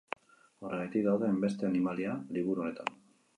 Horregatik daude hainbeste animalia liburu honetan.